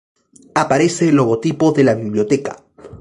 Aparece el logotipo de la Biblioteca.